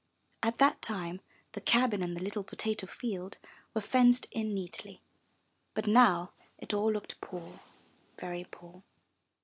At that time the cabin and the little potato field were fenced in neatly. But now it all looked poor, very poor.